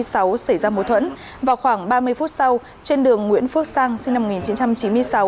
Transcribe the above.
xảy ra mối thuẫn vào khoảng ba mươi phút sau trên đường nguyễn phước sang sinh năm một nghìn chín trăm chín mươi sáu